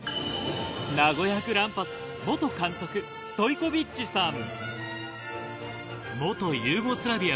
名古屋グランパス監督ストイコビッチさん。